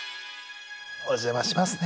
お邪魔しますね。